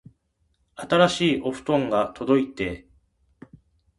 新しいお布団が届いてうっきうき